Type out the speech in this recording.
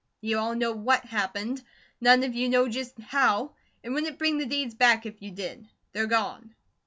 You all know WHAT happened. None of you know just HOW. It wouldn't bring the deeds BACK if you did. They're gone.